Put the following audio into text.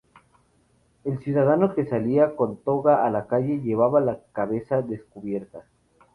El ciudadano que salía con toga a la calle llevaba la cabeza descubierta.